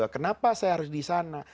kenapa saya harus di sana